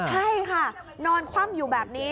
ใช่ค่ะนอนคว่ำอยู่แบบนี้